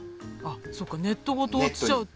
そっかネットごと落ちちゃうと。